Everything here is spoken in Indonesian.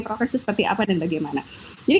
progres itu seperti apa dan bagaimana jadi